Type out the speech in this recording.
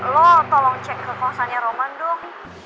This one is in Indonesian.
lo tolong cek ke kawasannya roman dong